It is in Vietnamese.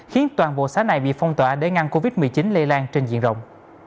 khiến toàn bộ xã này bị phong tỏa để ngăn covid một mươi chín lây lan trên diện rộng